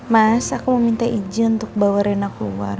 mas aku mau minta izin untuk bawa rena keluar